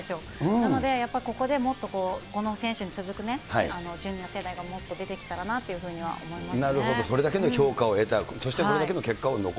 なので、やっぱここでもっと、この選手に続くね、ジュニア世代がもっと出てきたらなっていうふうに思います。